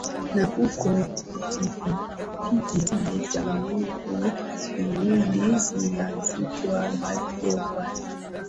na huku pikipiki zile za miguu miwili zinaitwa boda boda